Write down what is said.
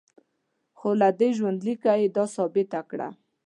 خو له دې ژوندلیکه یې دا ثابته کړه.